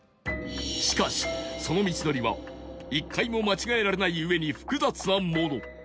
しかしその道のりは１回も間違えられないうえに複雑なもの